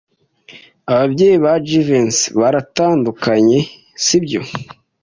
Ababyeyi ba Jivency baratandukanye, sibyo?